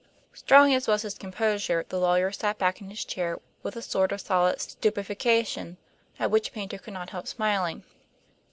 Strong as was his composure, the lawyer sat back in his chair with a sort of solid stupefaction at which Paynter could not help smiling.